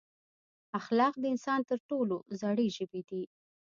اخلاق د انسان تر ټولو زړې ژبې ده.